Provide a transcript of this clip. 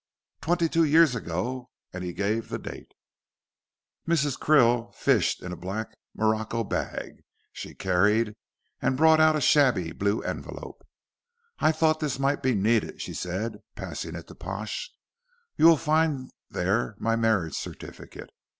"Twenty two years ago," and he gave the date. Mrs. Krill fished in a black morocco bag she carried and brought out a shabby blue envelope. "I thought this might be needed," she said, passing it to Pash. "You will find there my marriage certificate.